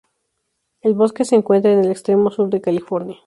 El bosque se encuentra en el extremo sur de California.